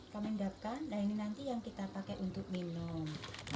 kami endapkan nah ini nanti yang kita pakai untuk minum